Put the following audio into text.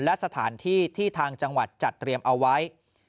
และสถานที่ที่ทางจังหวัดจัดเตรียมเอาไว้